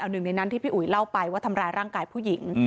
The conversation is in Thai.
หนึ่งในนั้นที่พี่อุ๋ยเล่าไปว่าทำร้ายร่างกายผู้หญิง